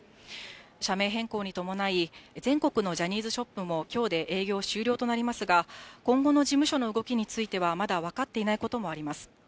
社名変更に伴い、全国のジャニーズショップも、きょうで営業終了となりますが、今後の事務所の動きについてはまだ分かっていないこともあります。